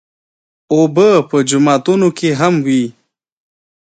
اوبه په جوماتونو کې هم وي.